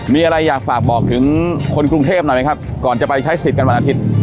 มีอะไรอยากฝากบอกถึงคนกรุงเทพหน่อยไหมครับก่อนจะไปใช้สิทธิ์กันวันอาทิตย์